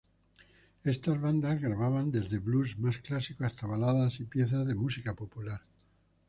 Estas bandas grababan desde "blues" más clásicos hasta baladas y piezas de música popular.